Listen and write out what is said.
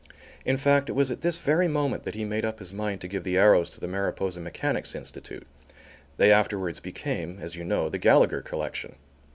In fact, it was at this very moment that he made up his mind to give the arrows to the Mariposa Mechanics' Institute, they afterwards became, as you know, the Gallagher Collection.